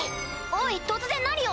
おい突然何を。